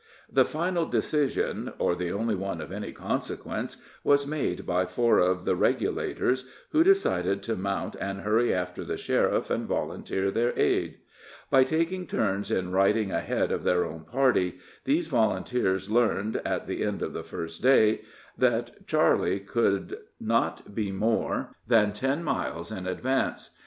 The final decision or the only one of any consequence was made by four of the "regulators," who decided to mount and hurry after the sheriff and volunteer their aid. By taking turns in riding ahead of their own party, these volunteers learned, at the end of the first day, that Charley could not be more than ten miles in advance.